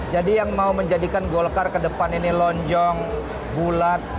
jadi yang mau menjadikan golkar kedepan ini lonjong bulat